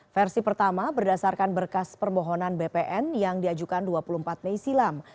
versi pertama berdasarkan berkas permohonan bpn yang diajukan dua puluh empat mei silam